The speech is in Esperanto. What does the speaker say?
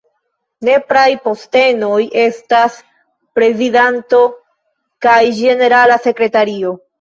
Nepraj postenoj estas prezidanto kaj ĝenerala sekretario.